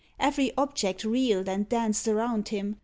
Every object reeled and danced around him.